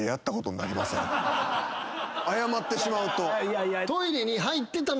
謝ってしまうと。